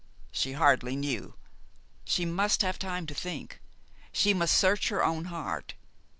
She hardly knew. She must have time to think. She must search her own heart.